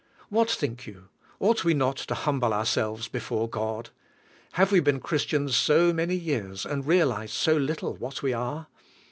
What think you, ought we not to humble ourselves before God? Have we been Christians so many years, and realized so little what we are